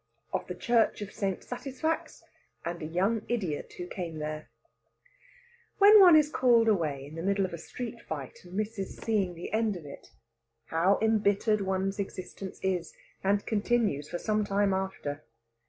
OF THE CHURCH OF ST. SATISFAX, AND A YOUNG IDIOT WHO CAME THERE When one is called away in the middle of a street fight, and misses seeing the end of it, how embittered one's existence is, and continues for some time after!